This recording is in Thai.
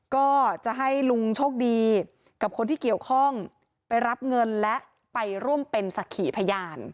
ก็จะให้ลุงโชคดีกับคนที่เกี่ยวข้องไปรับเงินและไปร่วมเป็นศักดิ์ขีพยาน